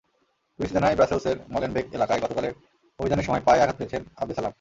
BBC জানায়, ব্রাসেলসের Molenbeek এলাকায় গতকালের অভিযানের সময় পায়ে আঘাত পেয়েছেন আবদেসালাম।